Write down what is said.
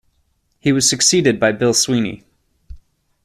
He was succeeded by Bill Sweeney.